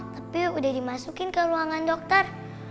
tapi udah dimasukin ke ruangan dokter